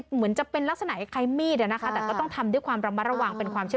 คุณผู้ชมลองดู